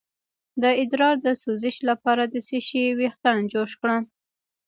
د ادرار د سوزش لپاره د څه شي ویښتان جوش کړم؟